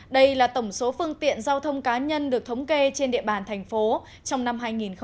đây là tổng số phương tiện giao thông cá nhân được thống kê trên địa bàn tp hcm trong năm hai nghìn một mươi năm